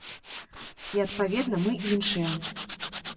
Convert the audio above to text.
І, адпаведна, мы іншыя.